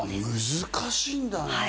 難しいんだね。